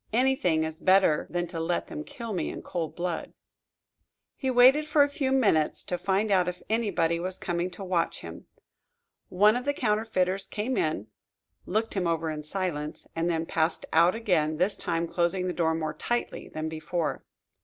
"Anything is better than to let them kill me in cold blood." He waited for a few minutes, to find out if anybody was coming to watch him. One of the counterfeiters came in, looked him over in silence, and then passed out again, this time closing the door more tightly than before.